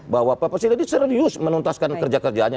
bahwa pak presiden ini serius menuntaskan kerja kerjaannya